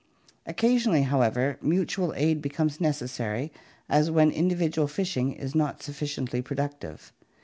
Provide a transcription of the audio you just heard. Occasionally, however, mutual aid becomes necessary, as when individual fishing is not sufficiently productive.